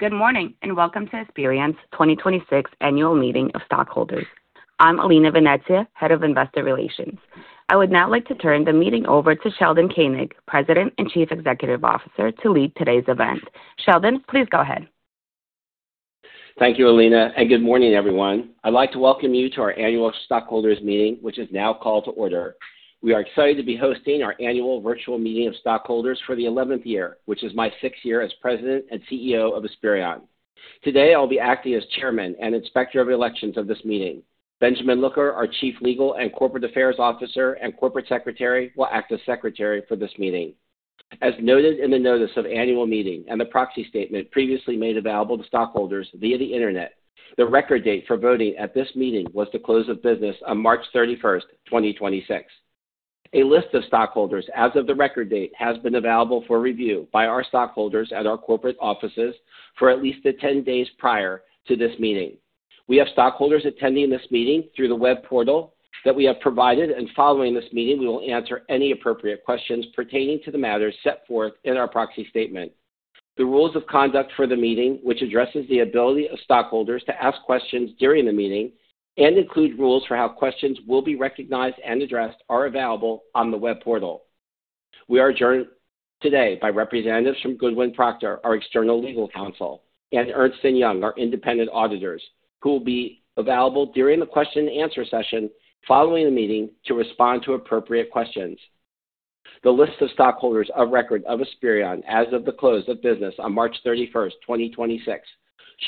Good morning, and welcome to Esperion's 2026 Annual Meeting of Stockholders. I'm Alina Venezia, Head of Investor Relations. I would now like to turn the meeting over to Sheldon Koenig, President and Chief Executive Officer, to lead today's event. Sheldon, please go ahead. Thank you, Alina, good morning, everyone. I'd like to welcome you to our annual stockholders' meeting, which is now called to order. We are excited to be hosting our annual virtual meeting of stockholders for the 11th year, which is my sixth year as President and Chief Executive Officer of Esperion. Today, I'll be acting as chairman and inspector of elections of this meeting. Benjamin Looker, our Chief Legal and Corporate Affairs Officer and Corporate Secretary, will act as secretary for this meeting. As noted in the notice of annual meeting and the proxy statement previously made available to stockholders via the Internet, the record date for voting at this meeting was the close of business on March 31st, 2026. A list of stockholders as of the record date has been available for review by our stockholders at our corporate offices for at least the 10 days prior to this meeting. We have stockholders attending this meeting through the web portal that we have provided, and following this meeting, we will answer any appropriate questions pertaining to the matters set forth in our proxy statement. The rules of conduct for the meeting, which addresses the ability of stockholders to ask questions during the meeting and include rules for how questions will be recognized and addressed, are available on the web portal. We are adjourned today by representatives from Goodwin Procter, our external legal counsel, and Ernst & Young, our independent auditors, who will be available during the question and answer session following the meeting to respond to appropriate questions. The list of stockholders of record of Esperion as of the close of business on March 31st, 2026,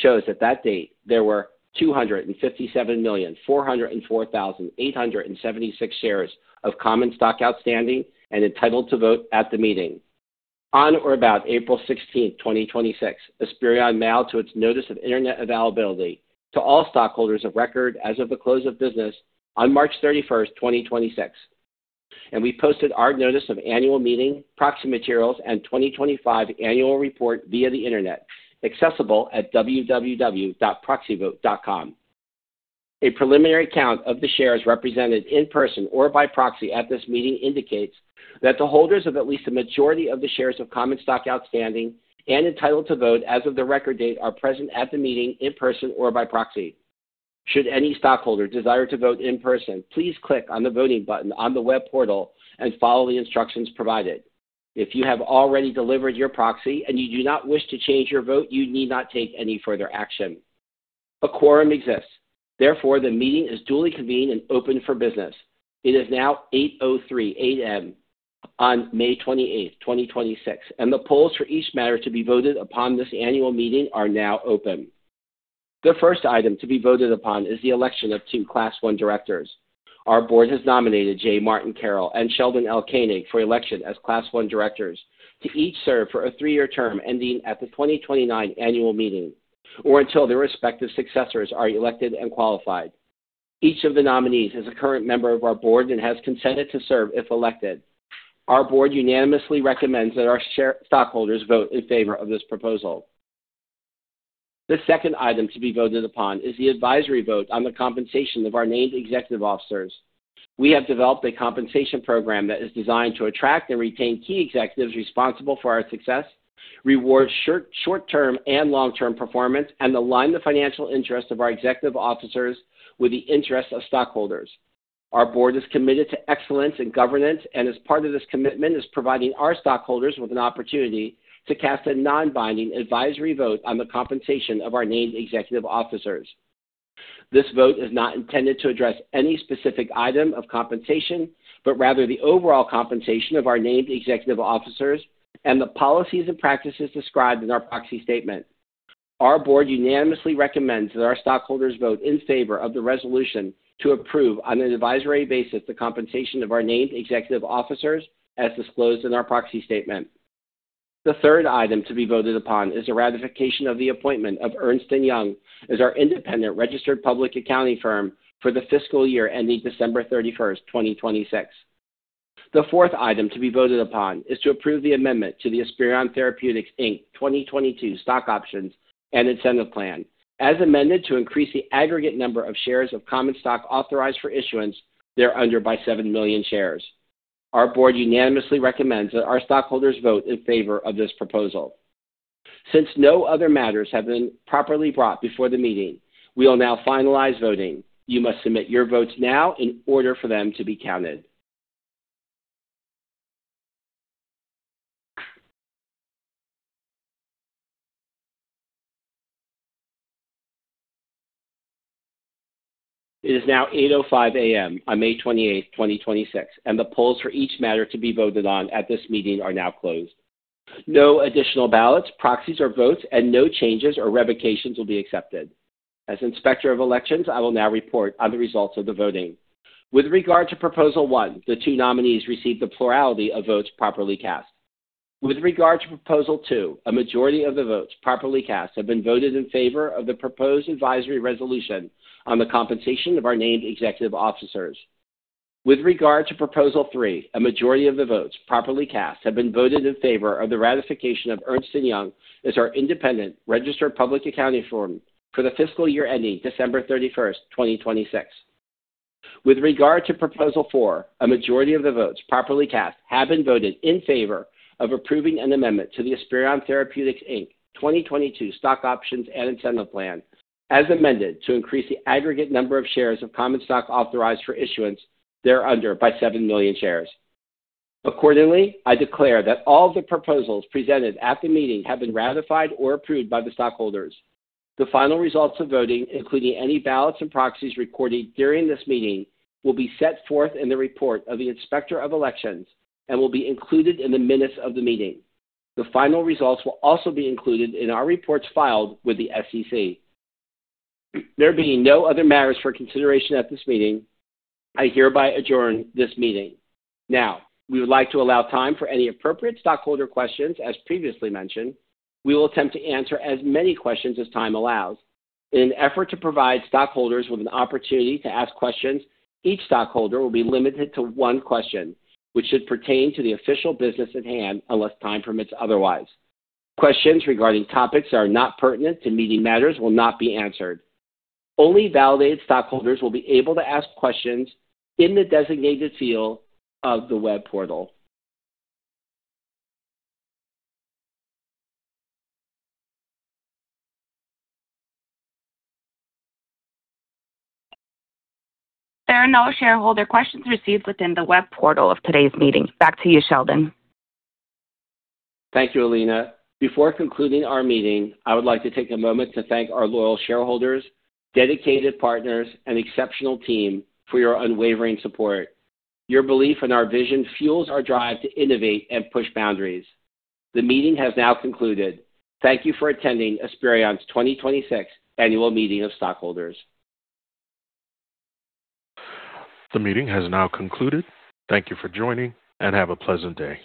shows that date there were 257,404,876 shares of common stock outstanding and entitled to vote at the meeting. On or about April 16th, 2026, Esperion mailed to its notice of Internet availability to all stockholders of record as of the close of business on March 31st, 2026, and we posted our notice of annual meeting, proxy materials, and 2025 annual report via the Internet, accessible at www.proxyvote.com. A preliminary count of the shares represented in person or by proxy at this meeting indicates that the holders of at least a majority of the shares of common stock outstanding and entitled to vote as of the record date are present at the meeting in person or by proxy. Should any stockholder desire to vote in person, please click on the Voting button on the web portal and follow the instructions provided. If you have already delivered your proxy and you do not wish to change your vote, you need not take any further action. A quorum exists. Therefore, the meeting is duly convened and open for business. It is now 8:03 A.M. on May 28th, 2026, and the polls for each matter to be voted upon this annual meeting are now open. The first item to be voted upon is the election of two Class I directors. Our board has nominated J. Martin Carroll and Sheldon L. Koenig for election as Class I directors to each serve for a three-year term ending at the 2029 annual meeting or until their respective successors are elected and qualified. Each of the nominees is a current member of our board and has consented to serve if elected. Our board unanimously recommends that our stockholders vote in favor of this proposal. The second item to be voted upon is the advisory vote on the compensation of our named executive officers. We have developed a compensation program that is designed to attract and retain key executives responsible for our success, reward short-term and long-term performance, and align the financial interest of our executive officers with the interest of stockholders. Our board is committed to excellence in governance, and as part of this commitment is providing our stockholders with an opportunity to cast a non-binding advisory vote on the compensation of our named executive officers. This vote is not intended to address any specific item of compensation, but rather the overall compensation of our named executive officers and the policies and practices described in our proxy statement. Our board unanimously recommends that our stockholders vote in favor of the resolution to approve, on an advisory basis, the compensation of our named executive officers as disclosed in our proxy statement. The third item to be voted upon is the ratification of the appointment of Ernst & Young as our independent registered public accounting firm for the fiscal year ending December 31st, 2026. The fourth item to be voted upon is to approve the amendment to the Esperion Therapeutics, Inc. 2022 Stock Option and Incentive Plan, as amended to increase the aggregate number of shares of common stock authorized for issuance thereunder by 7 million shares. Our board unanimously recommends that our stockholders vote in favor of this proposal. Since no other matters have been properly brought before the meeting, we will now finalize voting. You must submit your votes now in order for them to be counted. It is now 8:05 A.M. on May 28th, 2026, and the polls for each matter to be voted on at this meeting are now closed. No additional ballots, proxies, or votes, and no changes or revocations will be accepted. As inspector of elections, I will now report on the results of the voting. With regard to Proposal one, the two nominees received the plurality of votes properly cast. With regard to Proposal two, a majority of the votes properly cast have been voted in favor of the proposed advisory resolution on the compensation of our named executive officers. With regard to Proposal three, a majority of the votes properly cast have been voted in favor of the ratification of Ernst & Young as our independent registered public accounting firm for the fiscal year ending December 31st, 2026. With regard to Proposal four, a majority of the votes properly cast have been voted in favor of approving an amendment to the Esperion Therapeutics, Inc. 2022 Stock Option and Incentive Plan, as amended, to increase the aggregate number of shares of common stock authorized for issuance thereunder by 7 million shares. Accordingly, I declare that all the proposals presented at the meeting have been ratified or approved by the stockholders. The final results of voting, including any ballots and proxies recorded during this meeting, will be set forth in the report of the Inspector of Elections and will be included in the minutes of the meeting. The final results will also be included in our reports filed with the SEC. There being no other matters for consideration at this meeting, I hereby adjourn this meeting. Now, we would like to allow time for any appropriate stockholder questions, as previously mentioned. We will attempt to answer as many questions as time allows. In an effort to provide stockholders with an opportunity to ask questions, each stockholder will be limited to one question, which should pertain to the official business at hand unless time permits otherwise. Questions regarding topics that are not pertinent to meeting matters will not be answered. Only validated stockholders will be able to ask questions in the designated field of the web portal. There are no shareholder questions received within the web portal of today's meeting. Back to you, Sheldon. Thank you, Alina. Before concluding our meeting, I would like to take a moment to thank our loyal shareholders, dedicated partners, and exceptional team for your unwavering support. Your belief in our vision fuels our drive to innovate and push boundaries. The meeting has now concluded. Thank you for attending Esperion's 2026 Annual Meeting of Stockholders. The meeting has now concluded. Thank you for joining, and have a pleasant day.